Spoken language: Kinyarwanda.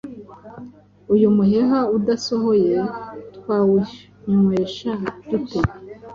Uyu muheha udasohoye twawunywesha dute ?»